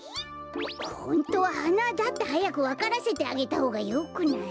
ホントははなだってはやくわからせてあげたほうがよくない？